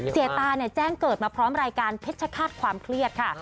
เสียตาแจ้งเกิดมาพร้อมรายการเพชรฆาตความเครียดค่ะ